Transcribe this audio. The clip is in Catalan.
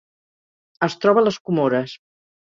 Es troba a les Comores.